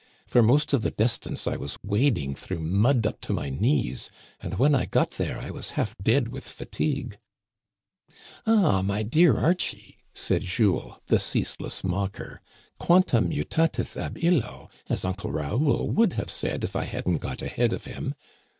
For most of the distance I was wading through mud up to my knees, and when I got there I was half dead with fatigue." "Ah, my dear Archie," said Jules, the ceaseless mocker, " quantum mutaius ab illo^ as Uncle Raoul would have said if I hadn't got ahead of him.